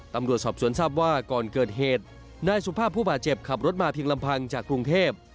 ตำรวจสอบสวนทราบว่าก่อนเกิดเหตุนายสุภาพผู้บาดเจ็บขับรถมาเพียงลำพังจากกรุงเทพ